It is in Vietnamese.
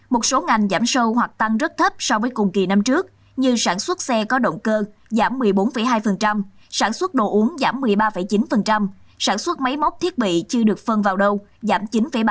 một số ngành giảm sâu hoặc tăng rất thấp so với cùng kỳ năm trước như sản xuất xe có động cơ giảm một mươi bốn hai sản xuất đồ uống giảm một mươi ba chín sản xuất máy móc thiết bị chưa được phân vào đâu giảm chín ba